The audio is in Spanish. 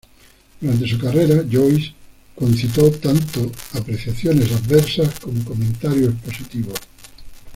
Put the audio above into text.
Durante su carrera, Joyce concitó tanto apreciaciones adversas como comentarios positivos.